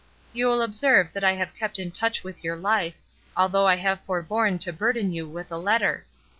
You will observe that I have kept in touch with your Ufe, although I have forborne to burden you with a letter.